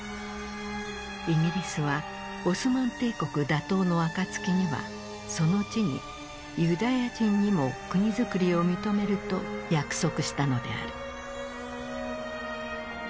イギリスはオスマン帝国打倒の暁にはその地にユダヤ人にも国づくりを認めると約束したのである。